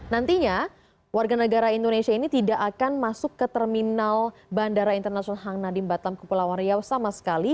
nantinya warga negara indonesia ini tidak akan masuk ke terminal bandara internasional hang nadiem batam kepulauan riau sama sekali